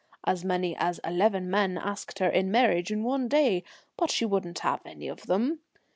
As many as eleven men asked her in marriage in one day, but she wouldn't have any of them.